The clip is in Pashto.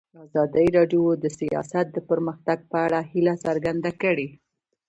ازادي راډیو د سیاست د پرمختګ په اړه هیله څرګنده کړې.